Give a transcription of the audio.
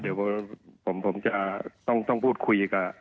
เดี๋ยวผมจะต้องพูดคุยกับ